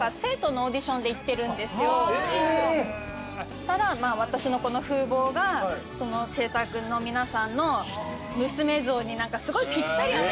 したら私のこの風貌が制作の皆さんの娘像にすごいぴったり合ったみたいで。